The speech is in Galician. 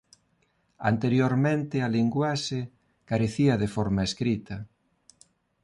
Anteriormente a linguaxe carecía de forma escrita.